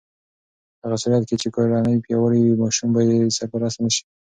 په هغه صورت کې چې کورنۍ پیاوړې وي، ماشوم به بې سرپرسته نه شي.